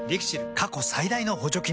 過去最大の補助金も